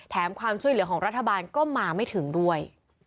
ความช่วยเหลือของรัฐบาลก็มาไม่ถึงด้วย